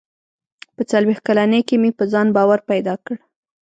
• په څلوېښت کلنۍ کې مې په ځان باور پیدا کړ.